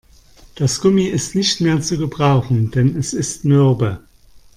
Das Gummi ist nicht mehr zu gebrauchen, denn es ist mürbe.